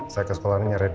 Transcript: saya ke sekolahnya rina